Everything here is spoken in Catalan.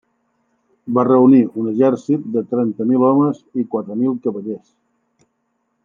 Va reunir un exèrcit de trenta mil homes i quatre mil cavallers.